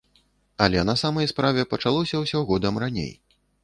Але на самай справе пачалося ўсё годам раней.